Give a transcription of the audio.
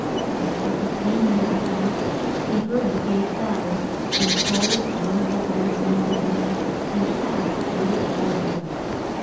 And as he came near the house he heard the gay sounds, and called one of the hired men to him and asked what it all meant.